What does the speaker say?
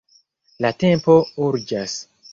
La tempo urĝas.